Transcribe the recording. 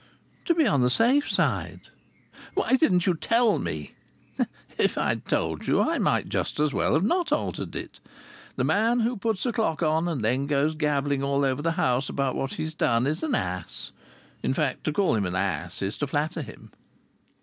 "Why?" "To be on the safe side." "Why didn't you tell me?" "If I'd told you, I might just as well have not altered it. The man who puts a clock on and then goes gabbling all over the house about what he has done is an ass; in fact, to call him an ass is to flatter him."